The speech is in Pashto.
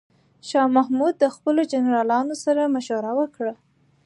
شاه محمود د خپلو جنرالانو سره مشوره وکړه.